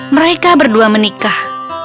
mereka berdua menikah